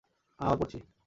আমি আবার পড়ছি।